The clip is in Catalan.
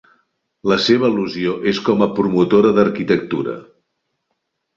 La seva al·lusió és com a promotora d'arquitectura.